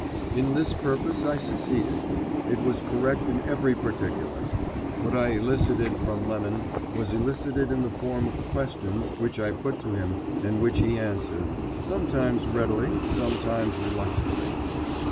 In this purpose I succeeded; it was correct in every particular. What I elicited from Lemon was elicited in the form of questions which I put to him and which he answered, sometimes readily, sometimes reluctantly.